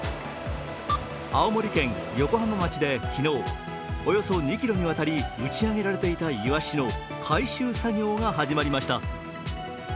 青森県横浜町で昨日、およそ２ｋｍにわたり打ち上げられていたイワシの回収作業が始まりました。